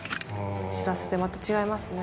散らしてまた違いますね。